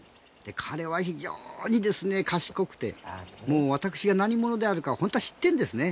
彼は非常に賢くて私が何者であるか本当は知っているんですね。